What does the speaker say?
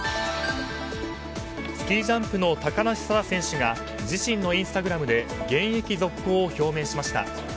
スキージャンプの高梨沙羅選手が自身のインスタグラムで現役続行を表明しました。